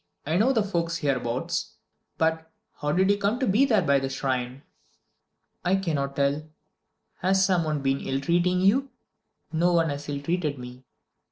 I know the folks hereabouts. But, how did you come to be there by the shrine?" "I cannot tell." "Has some one been ill treating you?" "No one has ill treated me.